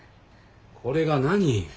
これが何？